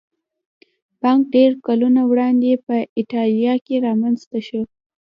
بانک ډېر کلونه وړاندې په ایټالیا کې رامنځته شو